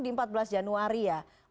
di empat belas januari ya